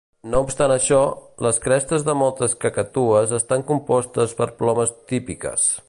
No obstant això, les crestes de moltes cacatues estan compostes per plomes típiques.